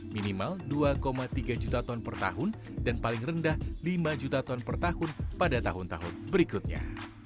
minimal dua tiga juta ton per tahun dan paling rendah lima juta ton per tahun pada tahun tahun berikutnya